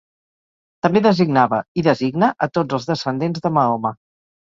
També designava i designa a tots els descendents de Mahoma.